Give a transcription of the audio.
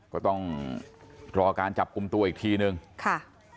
ก็ต้องรอการจับกลุ่มตัวอีกทีนึงค่ะ